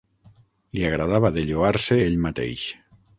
Li agradava de lloar-se ell mateix.